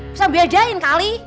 bisa belajain kali